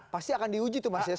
pasti akan diuji tuh mas ya